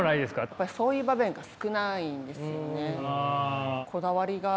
やっぱりそういう場面が少ないんですよね。